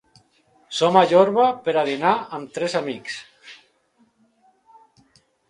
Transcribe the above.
Som a Jorba per a dinar amb tres amics.